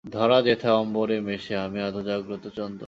ধরা যেথা অম্বরে মেশে আমি আধো-জাগ্রত চন্দ্র।